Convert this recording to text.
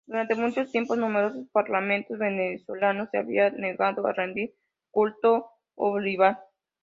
Durante mucho tiempo numerosos parlamentarios venezolanos se habían negado a rendir culto a Bolívar.